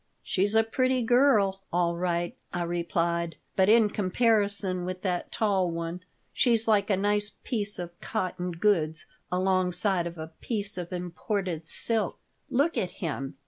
"She's a pretty girl, all right," I replied, "but in comparison with that tall one she's like a nice piece of cotton goods alongside of a piece of imported silk." "Look at him!